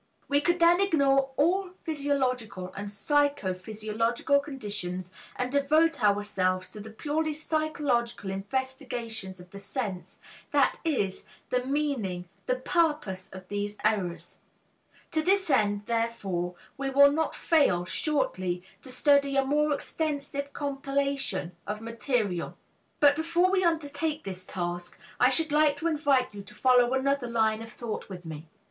We could then ignore all physiological and psycho physiological conditions and devote ourselves to the purely psychological investigations of the sense, that is, the meaning, the purpose of these errors. To this end therefore we will not fail, shortly, to study a more extensive compilation of material. But before we undertake this task, I should like to invite you to follow another line of thought with me.